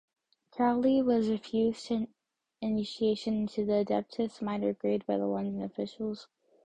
Crowley was refused initiation into the Adeptus Minor grade by the London officials.